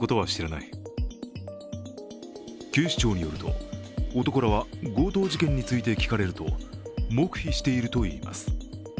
警視庁によると、男らは強盗事件について聞かれると黙秘しているといいます。